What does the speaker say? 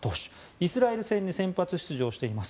イスラエル戦に先発出場しています。